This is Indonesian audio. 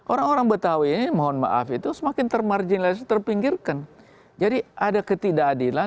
orang orang betawi ini mohon maaf itu semakin termarginalisasi terpinggirkan